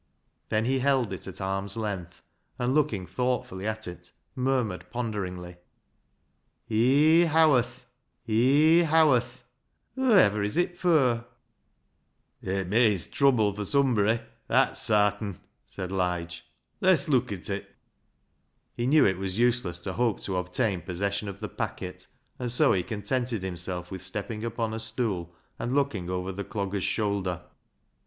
Then he held it at arm's length, and looking thoughtfully at it, murmured ponderingly —" Hee Howarth ! Hee Howarth ! Whoaiver is it fur ?"" It meeans trubbel fur sumbry, that's sartin," said Lige. " Less leuk at it." He knew it was useless to hope to obtain possession of the packet, and so he contented I50 BECKSIDE LIGHTS himself with stepping upon a stool and looking over the dogger's shoulder.